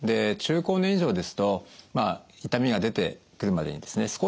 中高年以上ですと痛みが出てくるまでにですね